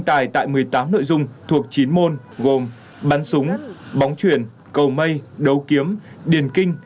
tài tại một mươi tám nội dung thuộc chín môn gồm bắn súng bóng truyền cầu mây đấu kiếm điền kinh